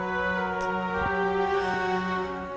akang pasti mau kerja